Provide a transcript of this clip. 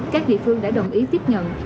các địa phương đã đồng ý tiếp nhận